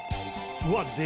うわっ